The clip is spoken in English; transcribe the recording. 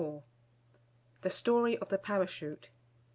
THE STORY OF THE PARACHUTE.